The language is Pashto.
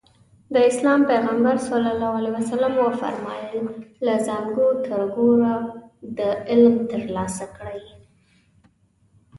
د اسلام پيغمبر ص وفرمايل له زانګو نه تر ګوره پورې علم ترلاسه کړئ.